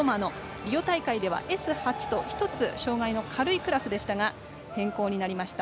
リオ大会ではＳ８と１つ障害の軽いクラスでしたが変更になりました。